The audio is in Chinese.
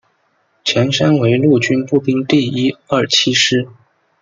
前身为陆军步兵第一二七师